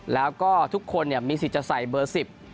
แล้วก็ทุกคนมีสิทธิ์จะใส่เบอร์๑๐